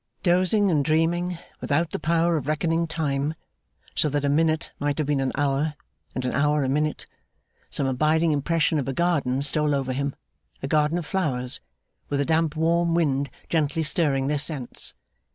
Dozing and dreaming, without the power of reckoning time, so that a minute might have been an hour and an hour a minute, some abiding impression of a garden stole over him a garden of flowers, with a damp warm wind gently stirring their scents.